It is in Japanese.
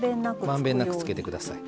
まんべんなくつけて下さい。